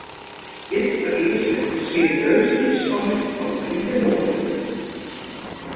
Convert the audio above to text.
Dit fereasket in serieuze ynspanning fan it rike noarden.